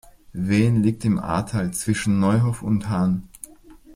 Wehen liegt im Aartal zwischen Neuhof und Hahn.